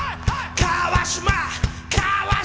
川島！